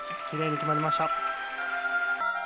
キレイに決まりました。